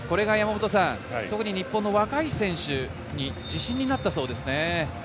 特に日本の若い選手の自信になったそうですね。